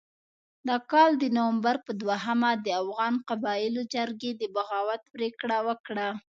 د کال د نومبر په دوهمه د افغان قبایلو جرګې د بغاوت پرېکړه وکړه.